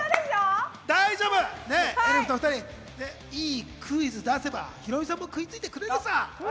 大丈夫、エルフの２人、いいクイズ出せば、ヒロミさんも食いついてくれるさ。